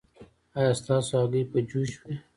ایا ستاسو هګۍ به جوش وي؟